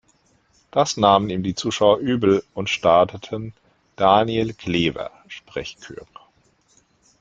Das nahmen ihm die Zuschauer übel und starteten „Daniel Klewer“-Sprechchöre.